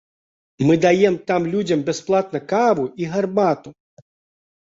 Мы даем там людзям бясплатна каву і гарбату.